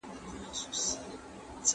سپور د پلي په حال څه خبر دئ.